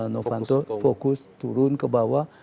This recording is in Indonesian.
novanto fokus turun ke bawah